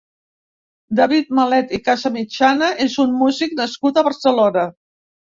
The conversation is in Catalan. David Malet i Casamitjana és un músic nascut a Barcelona.